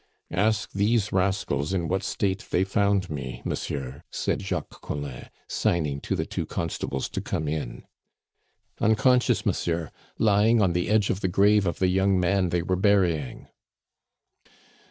"Ask these rascals in what state they found me, monsieur," said Jacques Collin, signing to the two constables to come in. "Unconscious, monsieur, lying on the edge of the grave of the young man they were burying."